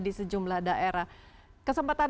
di sejumlah daerah kesempatan